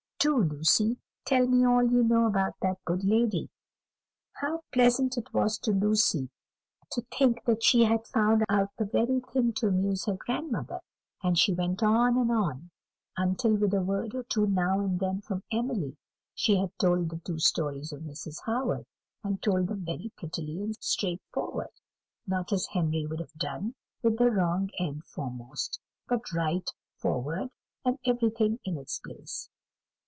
Do, Lucy, tell me all you know about that good lady." How pleasant it was to Lucy to think that she had found out the very thing to amuse her grandmother; and she went on, and on, until, with a word or two now and then from Emily, she had told the two stories of Mrs. Howard, and told them very prettily and straightforward not as Henry would have done, with the wrong end foremost, but right forward, and everything in its place.